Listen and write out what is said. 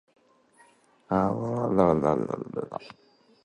Whitaker is probably best remembered for his coverage of golf and horse racing.